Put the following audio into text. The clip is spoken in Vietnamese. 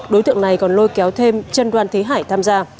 đối tượng này còn lôi kéo thêm chân đoàn thế hải tham gia